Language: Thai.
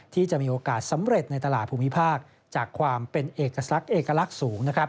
ที่จะมีโอกาสสำเร็จในตลาดภูมิภาคจากความเป็นเอกลักษณ์เอกลักษณ์สูง